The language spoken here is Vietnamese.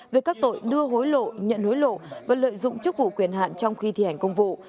về các tội đưa hối lộ nhận hối lộ và lợi dụng chức vụ quyền hạn trong khi thi hành công vụ